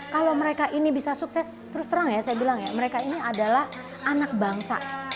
kalau mereka ini bisa sukses terus terang ya saya bilang ya mereka ini adalah anak bangsa